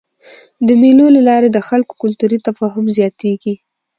د مېلو له لاري د خلکو کلتوري تفاهم زیاتېږي.